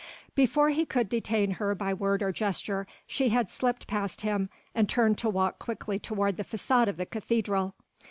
Before he could detain her by word or gesture she had slipped past him and turned to walk quickly toward the façade of the cathedral.